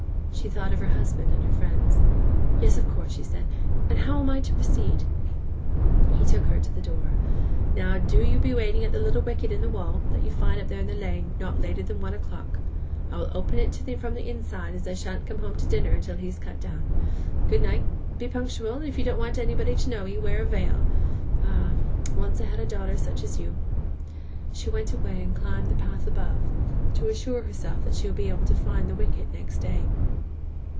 She thought of her husband and her friends. 'Yes, of course,' she said; 'and how am I to proceed?' He took her to the door. 'Now, do you be waiting at the little wicket in the wall, that you'll find up there in the lane, not later than one o'clock. I will open it from the inside, as I shan't come home to dinner till he's cut down. Good night. Be punctual; and if you don't want anybody to know 'ee, wear a veil. Ah—once I had such a daughter as you!' She went away, and climbed the path above, to assure herself that she would be able to find the wicket next day.